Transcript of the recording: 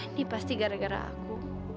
ini pasti gara gara aku